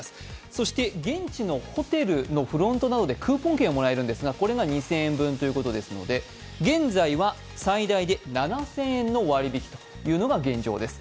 そして現地のホテルのフロントなどでクーポン券をもらえますがこれが２０００円分ということですので現在は最大で７０００円の割引というのが現状です。